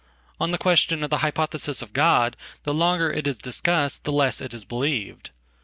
On the question of the hypothesis of God the longer itis discussed the less it is believed.